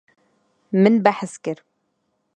Min behs kir.